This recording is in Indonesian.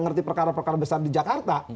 ngerti perkara perkara besar di jakarta